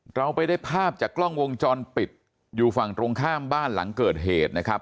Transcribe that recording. เราไปได้ภาพจากกล้องวงจรปิดอยู่ฝั่งตรงข้ามบ้านหลังเกิดเหตุนะครับ